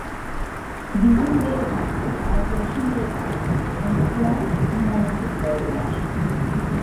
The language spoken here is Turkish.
Bizim beyefendi arkadaşın beyefendisiyle konuştular, münasip gördüler.